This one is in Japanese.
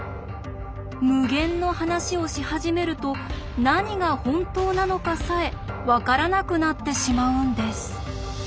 無限の話をし始めると何が本当なのかさえ分からなくなってしまうんです。